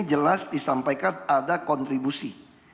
jelas disampaikan ada kontribusi